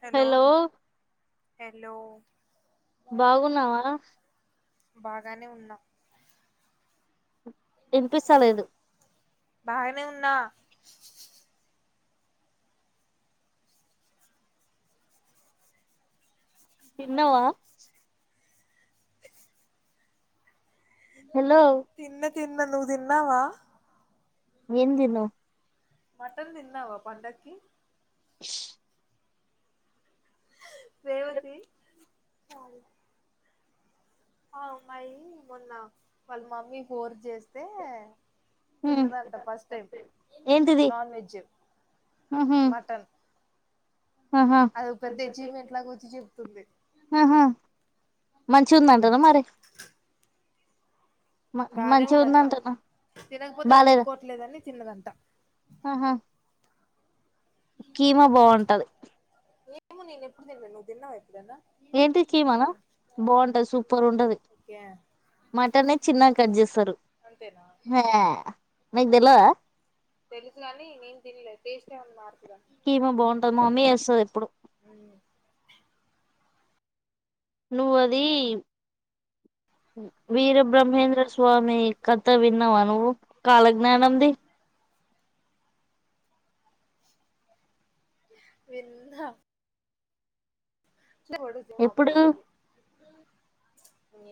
Hello hello బాగున్నావా బాగానే ఉన్నాం వినిపిస్తలేదు బాగానే ఉన్నా తిన్నావా హలో తిన్న తిన్న నువ్వు తిన్నావా ఏం తిన్నావ్ మటన్ తిన్నావా పండకి రేవతి [unintelligible] ఆ అమ్మాయి మొన్న వాళ్ళ మమ్మీ ఫోన్ చేస్తే హ్మ్ తిన్నదంట ఫస్ట్ టైం ఏంటిది నాన్ వెజ్ ఆహా అదొక్క తెచ్చింది ఇంట్ల కొచ్చింది దొబ్బింది ఆహా మంచిగా ఉందంటనా మరి మ- బానే మంచిగా ఉందంట ఉందంటనా తినకపోతే బాలేదా ఊరుకోట్లేదని తిన్నదంట ఆహా కీమా బాగుంటది ఏమో నేను ఎప్పుడు తినలే నువు తిన్నావా ఏంటి కీమానా ఎ [unintelligible] మటన్ నే చిన్నగా కట్ చేస్తారు అంతేనా హే నాకు తెలవదా తెలుసు కాని నేను తినలే టేస్ట్ ఏమన్నా మారుతదా కీమా బాగుంటది మామ్మీ చేస్తదిఎప్పుడు నువ్ అది మీరు బ్రహ్మేంద్ర స్వామి కథ విన్నవ నువ్వు కాలజ్ఞానం ది వింద [unintelligible] పడుద్దొమో అ ఎప్పుడు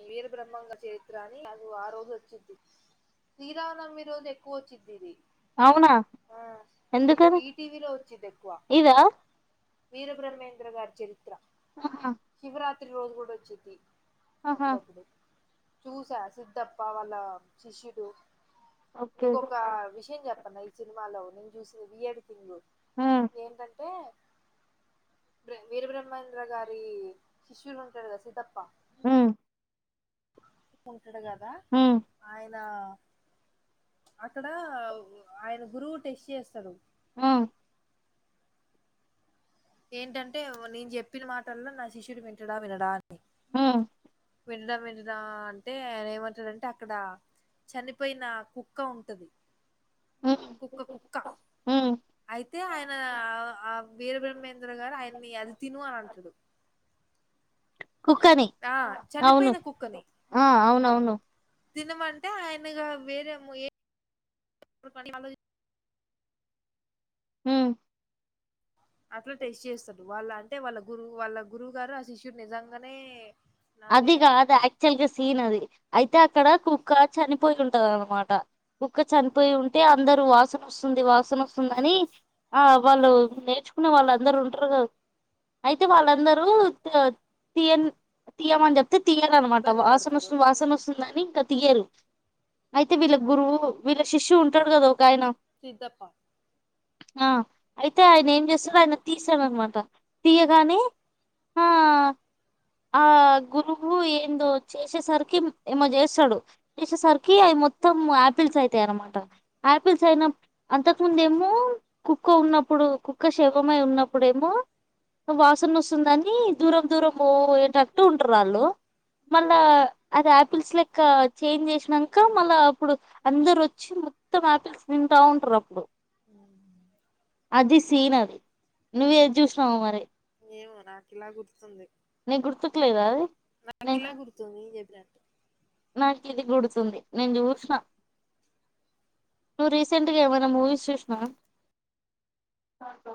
వీరబ్రహ్మాంగ చరిత్ర అని అది ఆ రోజు వచ్చిది శ్రీరావనమి రోజు ఎక్కువ వచ్చింది ఇది అవునా ఆ ఈ ఎందుకని ఈటీవలో వచ్చిది ఎక్కువ ఇదా వీరబ్రహ్మేంద్ర గారి చరిత్ర ఆహా శివ రాత్రి రోజు కూడా వచ్చేది ఆహా అప్పుడప్పుడు చూసా సిద్ధప్ప వాళ్ళ శిష్యుడు ఓకే నీకు ఒక విషయం చెప్పన్న ఈ సినిమాలో నేను చూసిన రీ ఎడిటింగ్ ఉమ్ ఏంటంటే వీరబ్రహ్మ బ్రహ్మం గారి శిష్యులు ఉంటాడు కదా సిద్దప్ప మ్ ఉంటడు కదా ఉమ్ ఆయన ఆ... అక్కడ ఆయన గురువు టెస్ట్ చేస్తాడు మ్ ఏంటంటే నేను చెప్పిన మాటల్లా నా శిష్యుడు వింటడా వినడా అని ఉమ్ వింటడా వినడా అంటె అయనేమంటడంటే. అక్కడా చనిపోయిన కుక్క ఉంటది ఉమ్ కుక్క కుక్క ఉమ్ అయితే ఆయన ఆ వీర బ్రహ్మేంద్ర ఆయన్ని అది తిను అంటడు కుక్కని అవును కుక్కని ఆ అవునవును తినమంటే ఆయనగా వేరేమో ఏ మళ్ళి అలోచించి మ్ అట్లా టెస్ట్ చేస్తడు వాళ్ళ అంటే వాళ్ళ గురువు వాళ్ళ గురువు గారు ఆ శిష్యుడు నిజంగానే నా అది మీద గాదు యాక్చువల్గా సీన్ అది అయితే అక్కడ కుక్క చనిపోయి ఉంటది అనమాట కుక్క చనిపోయి ఉంటే అందరూ వాసన వస్తుంది వాసన వస్తుందని ఆని ఆ వాళ్ళు నేర్చుకు వాళ్ళందరు ఉంటరు కదా అయితే వాళ్ళందరూ తియన్ తీయమని చెప్తే తియ్యరు అనమాట ఇబ్బంది వాసన పడతారు వస్తుంది వాసన వస్తుందని ఇంక తియ్యరు అయితే వీళ్ళకి గురువు వీళ్ళ శిష్యు ఉంటాడు కదా ఒక ఆయన సిద్దప్ప ఆ అయితే ఆయన ఏం చేస్తాడు ఆయన తీస్తాడనమాట తీయ్యగానె ఆ గురువు ఏందో చేసేసరికి ఏమో చేస్తాడు చేసేసరికి అయి మొత్తం ఆపిల్స్ అయితాయనమాట ఆపిల్స్ అయిన అంతకు ముంద ఏమో కుక్క ఉన్నప్పుడు కు శవమై ఉన్నప్పుడేమో వాసన వస్తుందని దూరం దూరం బోయంట ఉంటరాళ్ళు మళ్ళా అది ఆపిల్స్ లెక్క చేంజ్ చేసినాంక మళ్ళా అప్పుడు అందరు వచ్చి మొత్తం ఆపిల్స్ తింటా ఉంటరు అప్పుడు అది నువ్వ ఏది చూసినావో మరి ఏమో నాకు ఇలా గుర్తుంది నీ గుర్తు లేదా అది న లెద్ మంచి గుడుతుంది నేను చూషిన నువు రీసెంట్గా ఏమైనా మూవీస్ చూసినా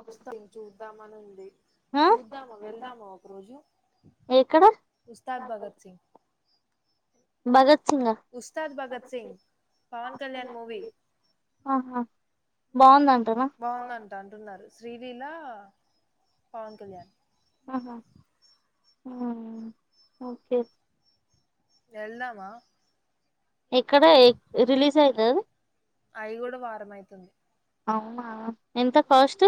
వస్త చూద్దామని ఉంది ఆ చూద్దాము వెళ్దాము ఒక రోజు ఎక్కడ ఉస్తాద్ భగత్ సింగ్ భగత్ సింగ్ ఆ ఉస్తాద్ భగత్ సింగ్ పవన్ కళ్యాణ్ మూవి ఆహా బాగుందంటనా బావుందంట అంటున్నారు శ్రీలీలా పవన్ కళ్యాణ్ ఉహు మ్... ఓకె ఎల్దామా ఇక్కడే రిలీజ్ అయింది కదు అవి కూడా వారం అయితుంది అవునా ఎంత cost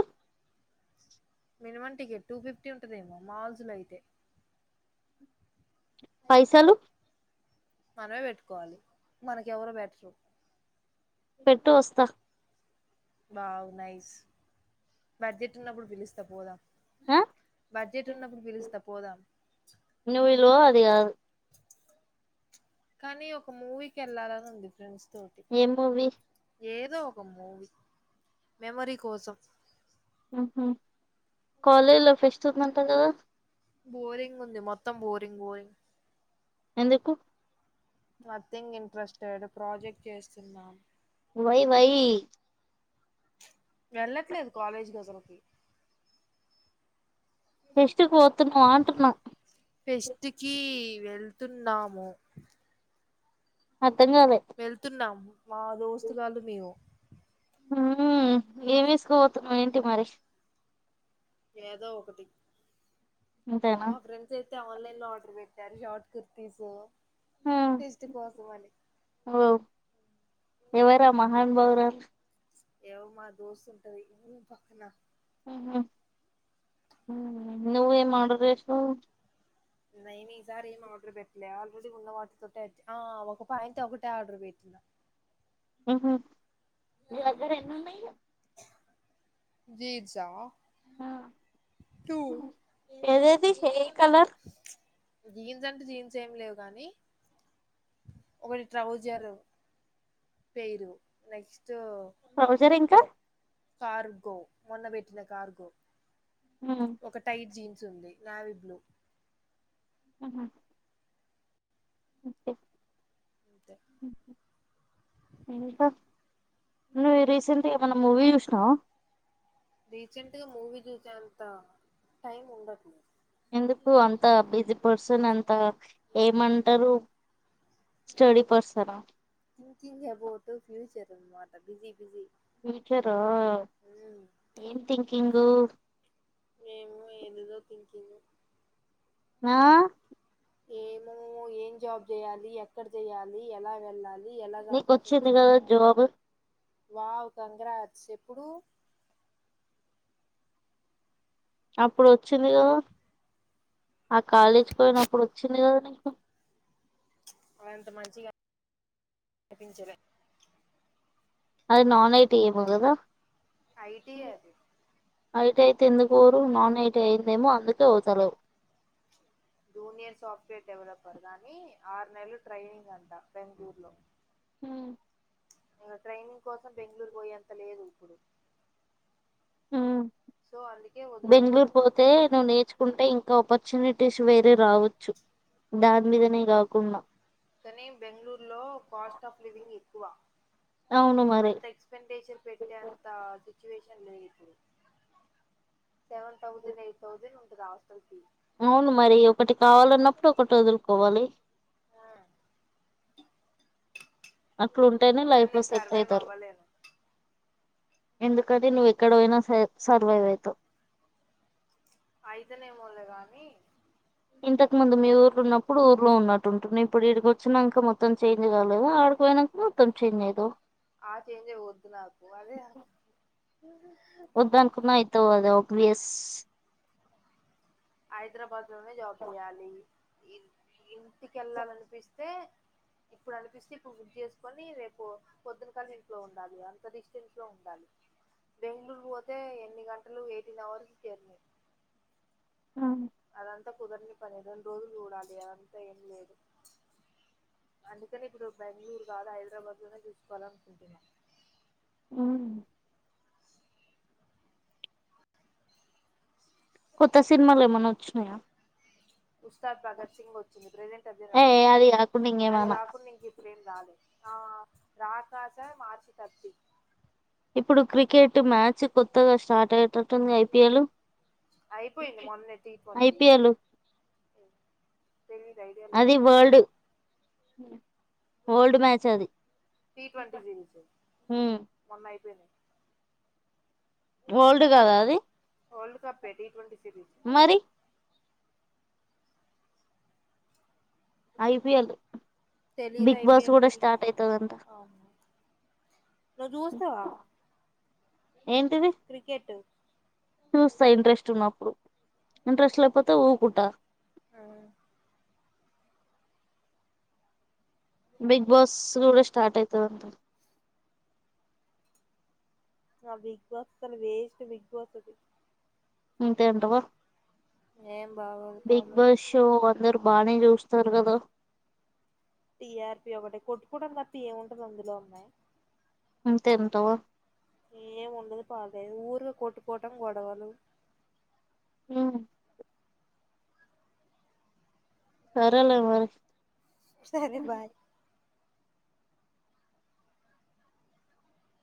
minimum ticket two fifty ఉంటుదేమో మాల్స్ లో అయితే పైసాలు మనమే పెట్టుకోవాలి మనకెవరు పెటరు పెట్టు వస్తా వావ్ నైస్ బడ్జెట్ ఉన్నప్పుడు పిలుస్తా పోదాం ఆ బడ్జెట్ ఉన్నప్పుడు పిలుస్తా పోదాం నువ్వు విలువ అది కాదు కానీ ఒక మూవీకెళ్ళాలని ఉంది ఫ్రెండ్స్ తోటి ఏం మూవీ ఏదో ఒక మూవీ మెమరీ కోసం ఊహూ కాలేజ్లో ఫెస్ట్ ఉందంట కదా బోరింగ్ ఉంది మొత్తం బోరింగ్ బోరింగ్ ఎందుకు నథింగ్ ఇంట్రెస్టెడ్ ప్రాజెక్ట్ చేస్తున్నాం వై వై వెళ్ళట్లేదు కాలేజీకి అసలకి ఫెస్ట్ కు పోతున్నావా అంటున్నా ఫెస్ట్ కి వెళ్తున్నాము అర్థం కాలే వెళ్తున్నాము మా దోస్తుగాళ్ళు మేము ఊ ఏం ఏస్కోవోతున్నావ్ ఏంటి మరి ఏదో ఒకటి ఇంతేనా మా ఫ్రెండ్స్ అయితే ఆన్లైన్ లో ఆర్డర్ పెట్ ట్టారు షార్ట్ కుర్తీసు ఓ ఎవరా మహానుభావు వల్ ఎవో మా దోస్త్ ఉంటది ఊ పక్కన ఊహూ ఊ నువ్వేం ఆర్డర్ చేసినావ్ నేను ఈసారి ఏం ఆర్డర్ పెట్టలే ఆల్రెడీ ఉన్న వాటితో ఆడ్జ్ ఒక పాయింట్ ఒకటే ఆర్డర్ పెట్టినా ఊహూ జీన్స్ ఆ ఆ టూ ఏదేది ఏ కలర్ జీన్స్ అంటే జీన్స్ ఏం లేవు గానీ ఒకటి ట్రౌజర్ పెయురు నెక్స్ట్ ట్రౌజర్ ఇంకా కార్గో మొన్న పెట్టిన కార్గో మ్మ్ ఒక టైట్ జీన్స్ ఉంది నావి బ్లూ ఆహూ ఓకే అంతే ఇంకా నువ్ రీసెంట్ ఏమన్నా మూవీ చూసినావా రీసెంట్ గా మూవీ చూసేంత టైం ఉండట్లే ఎందుకు అంత బిజీ పర్సన్ అంత ఏమంటారు స్టడీ పర్సనా థింకింగ్ అబౌట్ ఫ్యూచర్ అనమాట బిజీ బిజీ ఫ్యూచర్ ఆ ఏం థింకింగు మేము ఏదేదో థింకింగు ఆ ఏమో ఏం జాబ్ చెయ్యాలి ఎక్కడ చెయ్యాలి ఎలా వెళ్ళాల్ నీకొచ్చింది కదా జవాబు వావ్ కంగ్రాట్స్ ఎప్పుడు అప్పుడొచ్చింది కదా ఆ కాలేజీకి పోయినప్పుడు వచ్చింది కదా నీకు అదంత మంచిగా [inaudible] పించలే అది నాన్ ఐ టీ ఏమో గదా ఐ టీ ఏ అది ఐ టీ అయితే ఎందుకు వోరు నాన్ ఐ టీ అయ్యిందేమో అందుకే వోతలేవు జూనియర్ సాఫ్ట్వేర్ డెవలపర్ గానీ ఆరు నెలలు ట్రైనింగ్ అంట బెంగళూరు లో ఊ నేను ట్రైనింగ్ కోసం బెంగళూరు పోయేంత లేదు ఇప్పుడు హ్మ్ సో అందుకే వదులుడు బెంగళూరు పోతే నువ్వు నేర్చుకుంటే ఇంకా ఆపర్చునిటీస్ వేరే రావచ్చు దాన్ మీదనే కాకుండా కానీ బెంగళూరు లో కాస్ట్ ఆఫ్ లివింగ్ క్కువ అవును మరి అంత ఎక్స్పెంటేషర్ పెట్టె అంత సిచ్చువెషన్ లెదు సెవెన్ థౌసండ్ ఎయిట్ థౌసండ్ ఉంటది అవస అవును మరి ఒకటి కావాలన్నప్పుడు ఒకటి వదులుకోవాలి అట్లుంటేనే కానీ లైఫ్ లో నేను సెట్ సర్వైవ్ అవుతారు అవ్వలేను ఎందుకంటే నువ్ ఎక్కడ పోయినా సర్ సర్వైవ్ ఐతావు అయితేనేమోలే గాని ఇంతకు ముందు మీ ఊర్ళ ఉన్నప్పుడు ఊర్లో ఉన్నట్టుఉంటున్నవ్ ఇప్పుడు ఇడికి వచ్చినాక మొత్త్ త్తం చెంజ్ కాలేదా ఆడికిపోయానాక మొత్తం చెంజ్ఐతవ్ ఆ చేంజే వద్దు నాకు అదే వద్దనుకున్నా అయితవ్ గద ఆబ్వియస్ హైదరాబాద్ లోనే జాబ్ చేయాలి ఇంటికెళ్లాలనిపిస్తే ఇప్పుడు అనిపిస్తే ఇప్పుడు బుక్ చేసుకొని రేపు పొద్దున కల్ల ఇంట్లో ఉండాలి అంత డిస్టెన్స్ లో ఉండాలి బెంగళూరు పోతే ఎన్ని గంటలు ఎయిటిన్ అవర్స్ జర్ని అదంతా కుదరని పని రెండు రోజులు చూడాలి అదంతా ఏం లేదు అందుకనే ఇప్పుడు బెంగళూరు కాదు హైదరాబాద్ లోనే చూసుకోవాలనుకుంటున్నా హ్మ్ కొత్త సినిమాలు ఏమన్నా వచ్చినాయా ఉస్తాద్ భగత్ సింగ్ వచ్చింది ప్రజెంట్ అదే ఏ నడుస్తూంది అది కాకుండా అది ఇంకేమన్నా కాకుండా ఇంక ఇప్పుడేం రాలే ఆ రాకాజ మార్చి తర్పి ఇప్పుడు క్రికెట్ మ్యాచ్ కొత్తగా స్టార్ట్ అయేటట్టుంది ఐపీఎల్ అయిపోయింది మొన్ననే టిట్వంటి ఐపీఎల్ తెలిదు అది ఐడియలేదు ఓల్డ్ మ్యాచ్ అది ట్వంటీ సిరీస్ హ్మ్ మొన్న అయిపోయినాయి ఓల్డ్ గదా అది వరల్డ్ కప్పే టి ట్వంటీ సిరీస్ మరి ఐపిఎల్ బిగ్ బాస్ కూడా స్టార్ట్ అయితదంట నువ్ చుస్తవా ఏంటిది క్రికెట్ చూస్తా ఇంట్రెస్ట్ ఉన్నప్పుడు ఇంట్రెస్ట్ లేకపోతే ఊకుంటా [inaudible] బిగ్ బాస్ కూడా స్టార్ట్ అయితదంట ఆ బిగ్ బాస్ అసల్ వేస్ట్ బిగ్ బాస్ అది అంతే అంటవా ఏం బాగోదు బిగ్ పాడలేదు బాస్ షో అందరు బానే చూస్ తర్ కద టీఆర్పి ఒకటే కొట్టుకోవడం తప్ప ఏముంటంది అందులో అమ్మయి అంతే అంటవా ఎం ఉండదు పా ఏ ఊర్లో కొట్టుకోవటం గొడవలు హ్మ్ సరెలే మరి సరే బాయ్